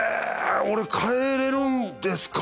俺帰れるんですか